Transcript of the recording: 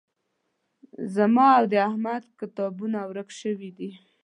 زما او د احمد کتابونه ورک شوي دي